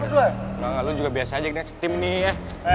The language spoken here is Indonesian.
gak gak gak lo juga biasa aja ngasih tim nih ya